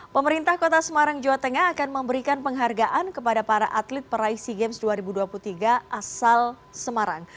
pemerintah kota semarang jawa tengah akan memberikan penghargaan kepada para atlet peraih sea games dua ribu dua puluh tiga asal semarang